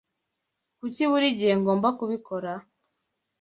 Kuki buri gihe ngomba kubikora?